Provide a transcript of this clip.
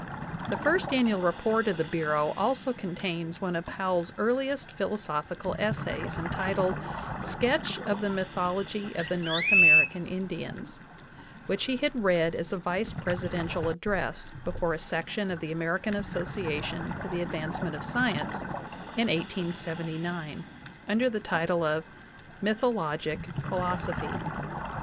The First Annual Report of the Bureau also contains one of Powell's earliest philosophical essays, entitled "Sketch of the mythology of the North American Indians," which he had read as a vice presidential address before a section of the American Association for the Advancement of Science in 1879, under the title of "Mythologic Philosophy."